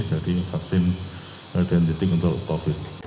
jadi vaksin dendritik untuk covid